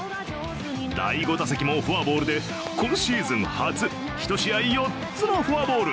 第５打席もフォアボールで今シーズン初、１試合４つのフォアボール。